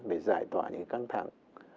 để giải thoại những cái căng thẳng